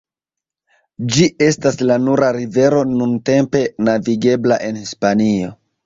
Ĝi estas la nura rivero nuntempe navigebla en Hispanio.